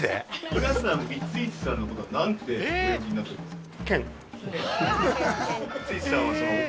皆さん光石さんのことを何てお呼びになってるんですか？